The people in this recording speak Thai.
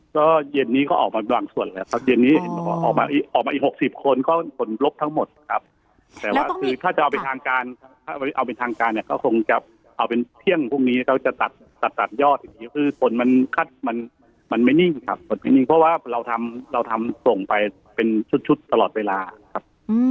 ก็เย็นนี้ก็ออกมาบางส่วนแล้วครับเย็นนี้ออกมาออกมาอีก๖๐คนก็ผลลบทั้งหมดครับแต่ว่าคือถ้าจะเอาเป็นทางการถ้าเอาเป็นทางการเนี่ยก็คงจะเอาเป็นเที่ยงพรุ่งนี้เขาจะตัดตัดยอดอย่างนี้คือผลมันไม่นิ่งครับผลไม่นิ่งเพราะว่าเราทำเราทำส่งไปเป็นชุดตลอดเวลาครับ